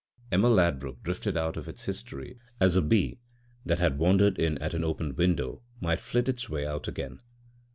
Emma Ladbruk drifted out of its history as a bee that had wandered in at an open window might flit its way out again.